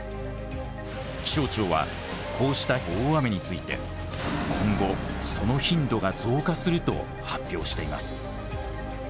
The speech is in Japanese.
気象庁はこうした大雨について今後その頻度が増加すると発表しています。